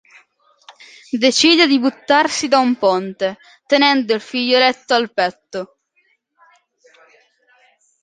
Decide di buttarsi da un ponte, tenendo il figlioletto al petto.